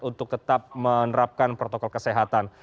untuk tetap menerapkan protokol kesehatan